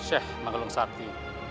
syekh magelang sakti